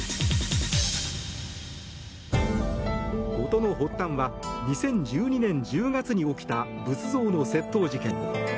事の発端は２０１２年１０月に起きた仏像の窃盗事件。